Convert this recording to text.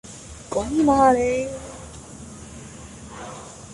鬼馬呀你！